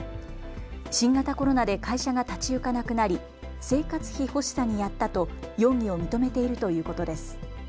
新型コロナで会社が立ち行かなくなり生活費欲しさにやったと容疑を認めているということです。